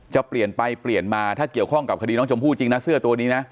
จะเปลี่ยนไปเปลี่ยนมาถ้าเกี่ยวข้องกับคดีน้องชมพู่จริงนะเสื้อตัวนี้นะ